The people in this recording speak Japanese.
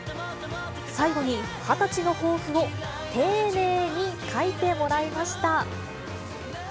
最後に、２０歳の抱負を丁寧に書いてもらいました。